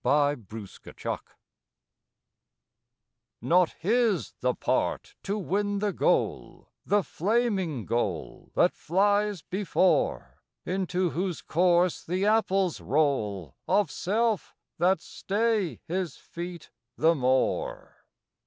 UNQUALIFIED Not his the part to win the goal, The flaming goal that flies before, Into whose course the apples roll Of self that stay his feet the more.